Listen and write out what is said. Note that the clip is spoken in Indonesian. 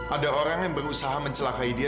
ada orang yang berusaha mencelakai dia